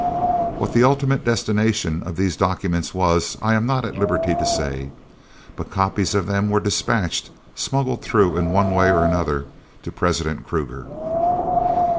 What the ultimate destination of these documents was I am not at liberty to say, but copies of them were despatched, smuggled through in one way or another to President Kruger.